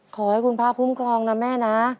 ขอให้คุณภาพภูมิกรองนะแม่นะ